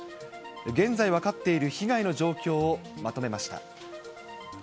現在分かっている被害の状況をまとめました。